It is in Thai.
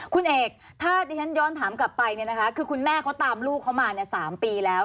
คุณเอกถ้าดิฉันย้อนถามกลับไปเนี่ยนะคะคือคุณแม่เขาตามลูกเขามา๓ปีแล้ว